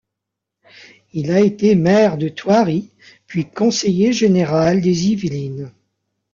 Il a été maire de Thoiry, puis conseiller général des Yvelines.